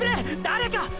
誰か！！